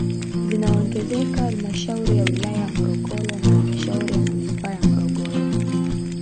Zinaongezeka halmashauri ya wilaya ya Morogoro na halmashauri ya manispaa ya Morogoro